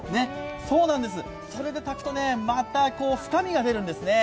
それで炊くと、また深みが出るんですね。